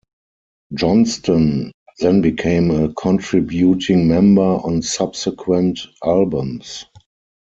Johnston then became a contributing member on subsequent albums.